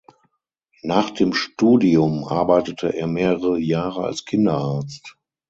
Nach dem Studium arbeitete er mehrere Jahre als Kinderarzt.